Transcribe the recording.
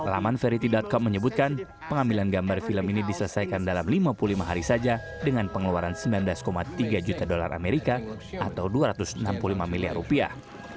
laman verity com menyebutkan pengambilan gambar film ini diselesaikan dalam lima puluh lima hari saja dengan pengeluaran sembilan belas tiga juta dolar amerika atau dua ratus enam puluh lima miliar rupiah